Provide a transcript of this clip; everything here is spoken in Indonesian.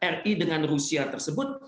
ri dengan rusia tersebut